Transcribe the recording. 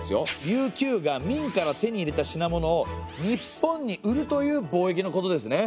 琉球が明から手に入れた品物を日本に売るという貿易のことですね。